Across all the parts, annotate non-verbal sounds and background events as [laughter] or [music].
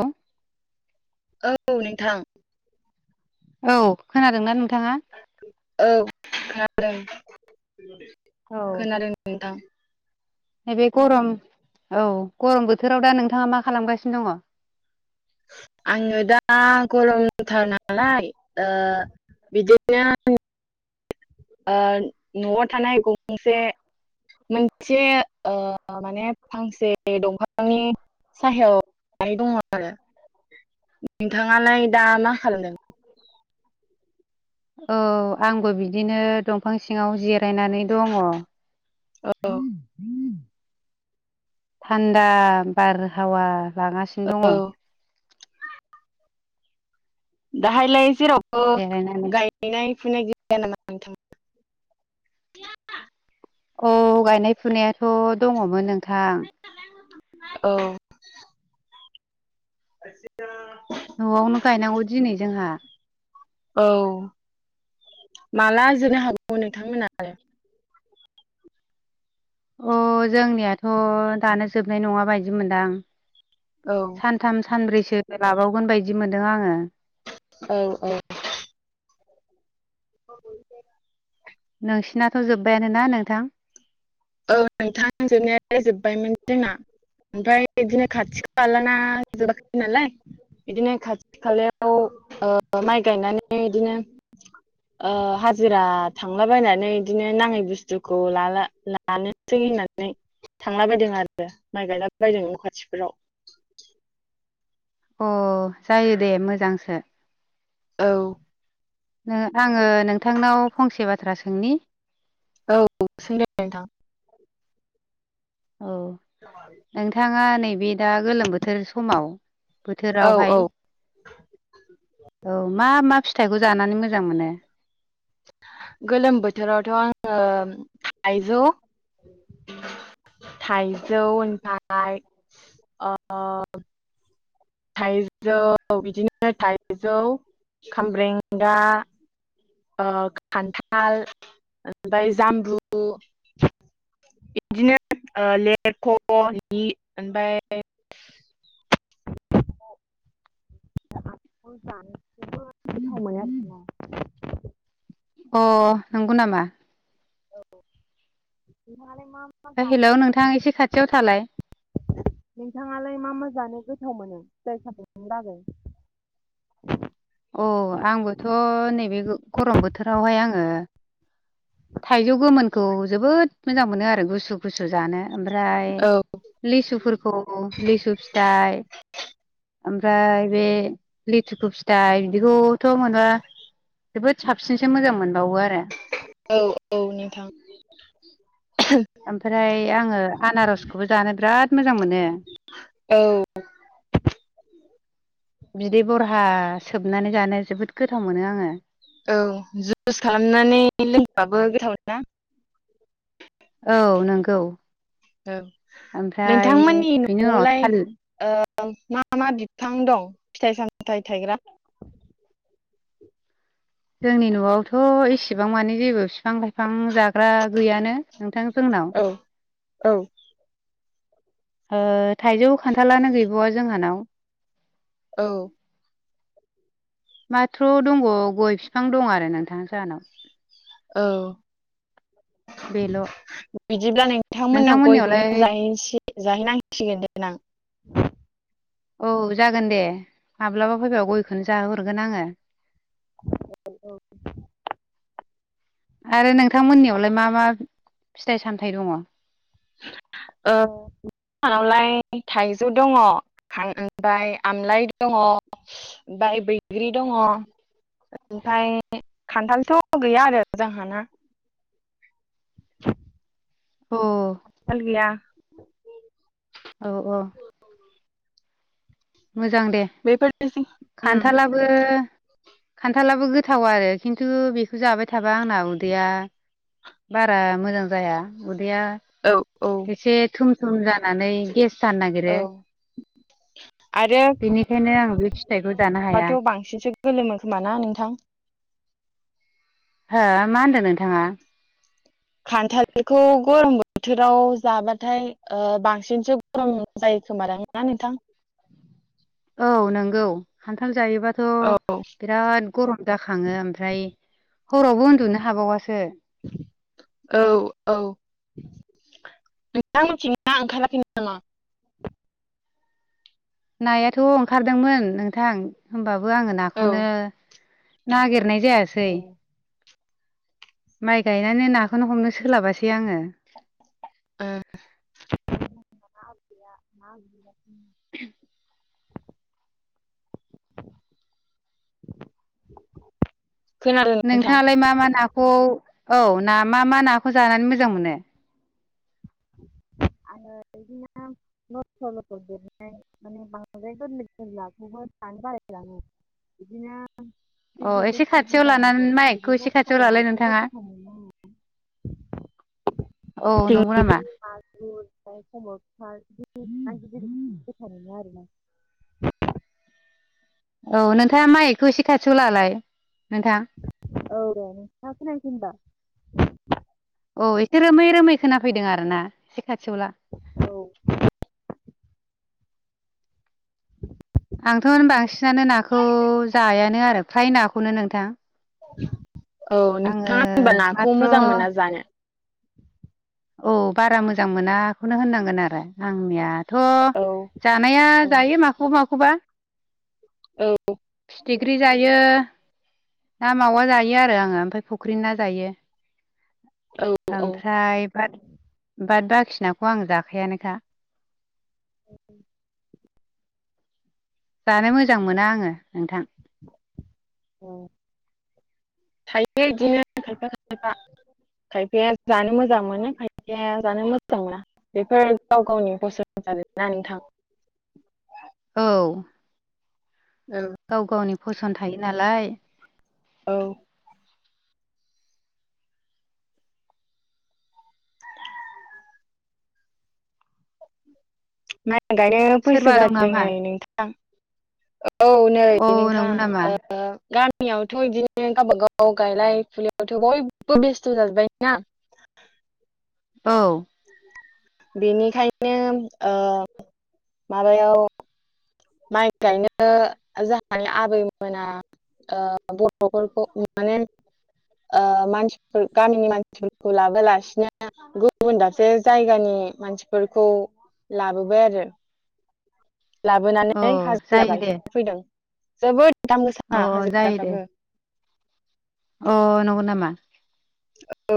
हेल औ नोंथां औ खोनादोंना नोंथाङा औ खोनादों औ खोनादों नोंथां। नैबे गरम औ गरम बोथोराव दा नोंथाङा मा खालामगासिनो दङ। आङो दा गरमथार नालाय ओ बिदिनो ओ न'आव थानाय गंसे मोनसे ओ माने फांसे दंफांनि साहायाव जिरायनानै दङ आरो नोंथाङालाय दा मा खालामदों [unintelligible] औ आंबो बिदिनो दंफां सिङाव जिरायनानै दङ औ थान्दा बारहावा लागासिनो औ दङ। दाहायलाय जेरावबो जिरायनानै। गायनाय फैनाय गैया नामा नोंथां औ गायनाय फुनायाथ' दङमोन नोंथां औ [unintelligible] न'आवनो गायनांगौ दिनै जोंहा। औ माला जोनो हागौ नोंथांमोना अ जोंनियाथ' दानो जोबनाय नङा बायदि मोनदां। आरो सानथाम सानब्रैसो लाबावगोन बायदि मोनदों आङो। औ औ औ नोंसिनाथ' जोब्बायानो ना नोंथां औ नोंथां जोबनायालाय जोबबायमोन जोंना ओमफ्राय बिदिनो खाथि खा खालाना जोबाखै नालाय बिदिनो खाथि खालायाव ओ माइ गायनानै बिदिनो ओ हाजिरा थांलाबायनानै इदिनो नाङै बुस्थुखौ ला ला जानोसै होननानै थांला बायदों आरो माइ गायला बायदों नखाथिफोराव [inaudible] अ जायो दे मोजांसो औ आङो नोंथांनाव फंसे बाथ्रा सोंनि? औ सोंदो नोंथां औ नोंथाङा नैबे दा गोलोम बोथोर समाव औ बोथोरावहाय औ औ मा मा फिथ थाइखौ जानानै मोजां मोनो? गोलोम बोथोरावथ' आङो थाइजौ थाइजौ ओमफाय ओ थाइजौ बिदिनो थाइजौ खामब्रेंगा ओ खान्थाल ओमफ्राय जामबु बिदिनो ओ लेरख'नि ओमफ्राय [inaudible] [unintelligible] अ नंगौ नामा? [unintelligible] हेलौ नोंथां एसे खाथियाव थालाय नोंथाङालाय मा मा जानो? गोथाव मोनो जायखौ नों लागै औ आंबोथ' ओ थाइजौ गोमोनखौ जोबोद मोजां मोनो आरो गुसु गुसु जानो। ओमफ्राय औ लिसुफोरखौ लिसु फिथाइ ओमफ्राय बे लिथुखु फिथाइ बिदिखौथ' मोन। नबा जोबोद साबसिनसो मोजां मोनबावो आरो औ औ नोंथां ओमफ्राय आङो आनारसखौबो जानो बिराद मोजां मोनो। औ बिदै बरहा सोबनानै जानो जोबोद गोथाव मोनो आङो। औ जुइस खालामनानै लोंबाबो गोथाव ना औ नंगौ औ ओमफ्राय नोंथांमोननि बिनि उनाव न'आवलाय थालिर मा मा बिफां दं फिथाइ सामथायाइ थायग्रा जोंनि न'आवथ' एसेबां माने जेबो बिफां लाइफां जाग्रा गैयानो नोंथां जोंनाव। औ औ ओ थाइजौ खान्थालानो गैबावा जोंहानाव। औ। माथ्र' दंबा गय बिफां दं आरो नोंथां जाहानाव। औ। बेल'। बिदिब्ला नोंथांमोननाव नोंथांमोननियावलाय गयखौनो जाहैनसेै जाहैनांसिगोन देनां। औ जागोन दे। माब्लाबा फैब गयखौनो जाहोहरगोन आङो। औ औ। आरो नोंथांमोननियावलाय मा मा फिथाइ सामथायाइ दङ? [unintelligible] ओ नावलाय थाइजौ दङ ओमफ्राय आमलाइ दङ बाय बैग्रि दङ। ओमफ्राय खान्थालथ' गैया आरो जोंहाना। अ। खान्थाल गैया औ औ। मोजां दे बेफोरनोसै उम खान्थालाबो खान्थालाबो गोथाव आरो खिन्थु बेखौ जाबाय थाबा आंना उदैया बारा मोजां जाया, उदैया औ औ एसे थुम [unintelligible] जानानै गेस जानो नागिरो। औ आरो बेनिखायनो आं बे फिथाइखौ जानो हाया। माबाथ' बांसिनसो गोलोमो खोमा ना नोंथां [unintelligible] हो मा होनदों नोंथाङा? खान्थालखौ गरम बोथोराव जाबाथाय बांसिनसो गरम जायो। [unintelligible] नोंथां। औ नंगौ। खान्थाल जायोबाथ' औ बिराद गरम दा खाङो ओमफ्राय हरावबो उन्दुनो हाबावासो। औ औ। [unintelligible] नामा? नायाथ' ओंखारदोंमोन नोंथां। होमबाबो आङो औ नाखौनो नागिर हरनाय जायासै। ओ माइ गायनानै नाखौनो हमनो सोलाबासै आङो। [unintelligible] [unintelligible] खोनादों नोंथां नोंथाङालाय मा मा नाखौ औ ना मा मा नाखौ जानानै मोजां मोनो? [unintelligible] [inaudible] [unintelligible] [inaudible] ‌ लाङो बिदिनो अ एसे दिग्रियावथ' गिदिर खाथियाव जानांगौ लानानै माइकखौ [unintelligible] एसे खाथियाव लालाय नोंथाङा गोथाव मोनो आङो। औ नं बिदिनो [unintelligible] [inaudible] आरो ना औ नोंथाङा माइखौ एसे खाथियावलालाय। औ दे [inaudible] औ एसे रोमै रोमै खोनाफैदों आरो ना एसे खाथियावला। औ [unintelligible] आंथ' बांसिनानो नाखौ जायानो आरो फ्राय नाखौनो नोंथां। औ आङो नोंथाङा होनबा नाखौ माथ्र' मोजां मोना जानो? औ बारा मोजां मोनाखौनो होननांगोन आरो। आंनिया थ' औ जानाया औ जायो माखौबा माखौबा। फिथिख्रि जायो ना मावा जायो आरो आङो ओमफ्राय फुख्रि ना जायो‌। औ औ ओमफ्राय बाद बाद बाखिनाखौ आं जाखायानोखा औ जानो मोजां मोना आङो नोंथां। थायो बिदिनो खायफा खायफा खायफाया जानो मोजां मोनो खायफाया जानो मोजां मोना बेफोर गाव गावनि फसं नानै थां औ औ गाव गावनि फसन्द थायो नालाय औ माइ गायनो फैस सोरबा दं गारदों नामा नै नोंथां औ नै औ नोंथां नंगौ नामा ग आोंनियावथ' बिदिनो गावबागाव गायलाय फुलियावथ' बयबो बेस्थ' जाजोब्बाय ना। औ बेनिखायनो माबायाव माइ गायनो जाहानि आबैमोना बर'फोरखौ माने मानसि गामिनि मानसिफोरखौ लाबोलासिनो गुबुन दासे जायगानि मानसिफोरखौ लाबोबाय आरो औ लाबोनानै हाजिरा जायो दे गायफैदों जोबोद दाम अ गोसाा जायो दे हाजिराफ्राबो अ नंगौ नामा? औ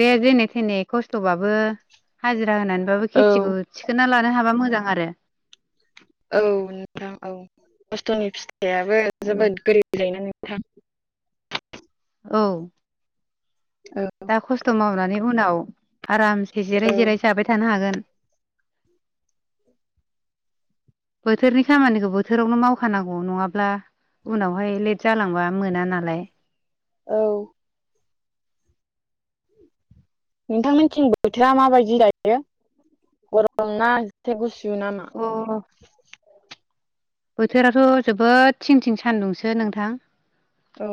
दे जेनै थेने खस्थ'बाबो हाजिरा होनानैबाबो औ खेथिखौ थिखोना लानो हाबा मोजां आरो औ नोंथां औ खस्थ'नि फिथाइाबो जोबोद गोरिलायना [unintelligible] औ औ दा खस्थ' मावनानै उनाव आरामसे जिराय औं जिराय जाबाय थानो हागोन। [inaudible] बोथोरनि खामानिखौ बोथोरावनो मावखानांगौ नङाब्ला उनावहाय लेट जालांबा मोना नालाय औ नोंथांमोनथिं बोथोरा माबायदि जायो गरमा एसे गुसु नामा अ बोथोराथ' जोबोद थिं थिं सान्दुंसो नोंथां औ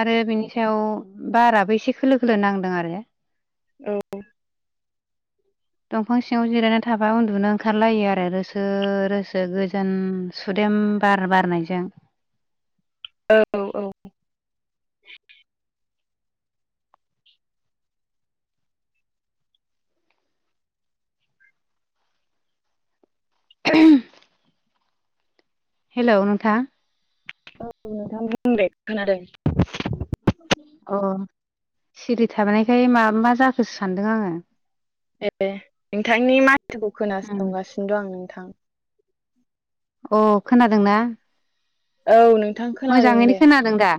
आरो बिनि सायाव बाराबो एसे खोलो खोलो नांदों आरो औ दंफां सिङाव जिरायनानै थाबा उन्दुनो ओंखारलायो आरो रोसो रोसो गोजान सुदै बार बारनायजों औ औ हेल' नोंथा औ नोंथां बुंले खोनादों अ सिरि थानायखाय मा मा जाखोसो सानदों आङो ए नोंथांनि माथोखौ उम खोनासंगासिनो दं आं नोंथां अ खोनादोंना औनो मोजाङैनो खोनादों दा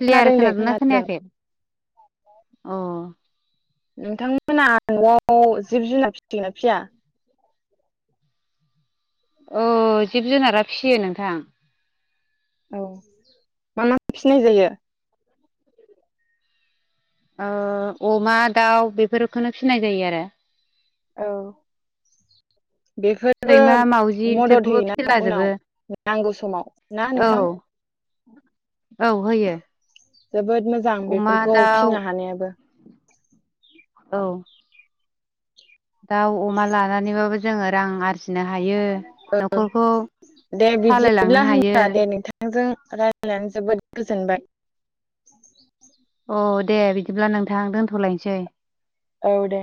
क्लियार दे खोनादोंना खोनादों खोनायाखै अ नोंथांमोना न'आव जिब जुनार फिसिगोना फिसिया औ जिब जुनारा फिसियो नोंथां औ मा मा फिसिनाय जायो ओ अमा दाउ बेफोरखौनो फिनाय जायो आरो औ बेफोरबो सैमा मावजि मदद बिसोरखौबो होयोना फिसिलाजोबो उनाव नांगौ समाव ना औ नोंथां औ होयो जोबोद मोजां अमा बेफोरखौ दाउ फिसिनो हानायाबो औ दाउ अमा लानानैबाबो जोङो रां आरजि औ दे सालायलांनो बिदिब्ला हायो होनबा दे नोंथांजों रायजायनानै जोबोद गोजोनबाय अ दे बिदिब्ला नोंथां दोनथ'लायनोसै औ दे